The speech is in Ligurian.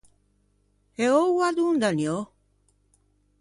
E oua dond’aniò?